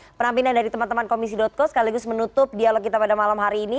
dan tadi penampilan dari teman teman komisi co sekaligus menutup dialog kita pada malam hari ini